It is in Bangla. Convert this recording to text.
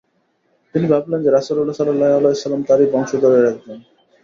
তিনি ভাবলেন যে, রাসূল সাল্লাল্লাহু আলাইহি ওয়াসাল্লাম তাঁরই বংশের একজন।